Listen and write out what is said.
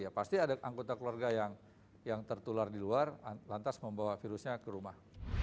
ya pasti ada anggota keluarga yang tertular di luar lantas membawa virusnya ke rumah